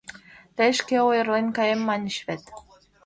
Тый шке «ойырлен каем» маньыч вет.